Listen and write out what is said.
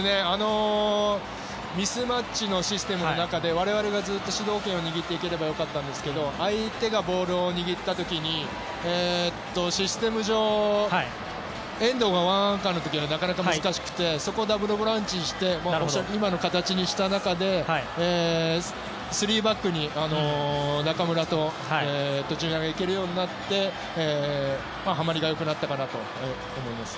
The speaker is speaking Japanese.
ミスマッチのシステムの中で我々がずっと主導権を握っていければ良かったんですが相手がボールを握った時にシステム上遠藤が１アンカーの時はなかなか難しくてそこをダブルボランチにして今の形にした中で３バックに中村らが行けるようになってはまりが良くなったかなと思って見てました。